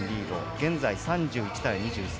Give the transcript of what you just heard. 現在３１対２３。